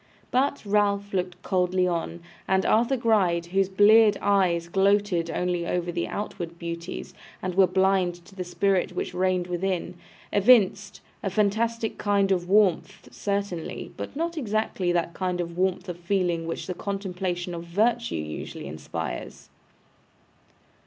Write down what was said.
But Ralph looked coldly on; and Arthur Gride, whose bleared eyes gloated only over the outward beauties, and were blind to the spirit which reigned within, evinced a fantastic kind of warmth certainly, but not exactly that kind of warmth of feeling which the contemplation of virtue usually inspires.